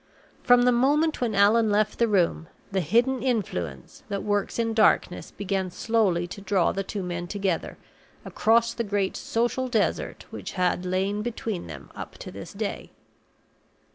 From the moment when Allan left the room, the hidden Influence that works in darkness began slowly to draw the two men together, across the great social desert which had lain between them up to this day.